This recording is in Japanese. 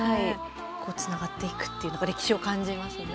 つながっていくっていう歴史を感じますね。